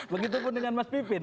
begitupun dengan mas pipin